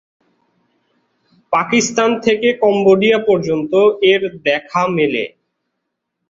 পাকিস্তান থেকে কম্বোডিয়া পর্যন্ত এর দেখা মেলে।